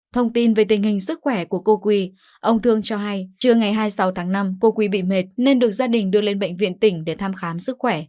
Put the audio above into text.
thông tin về tình hình sức khỏe của cô quy ông thương cho hay trưa ngày hai mươi sáu tháng năm cô quy bị mệt nên được gia đình đưa lên bệnh viện tỉnh để thăm khám sức khỏe